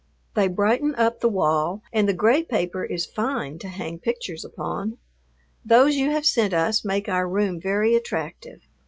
They brighten up the wall and the gray paper is fine to hang pictures upon. Those you have sent us make our room very attractive.